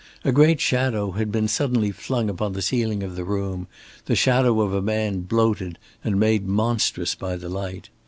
A great shadow had been suddenly flung upon the ceiling of the room, the shadow of a man, bloated and made monstrous by the light.